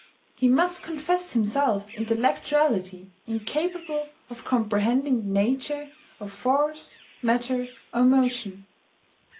He must confess himself intellectually incapable of comprehending the nature of force, matter, or motion.